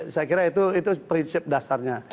saya kira itu prinsip dasarnya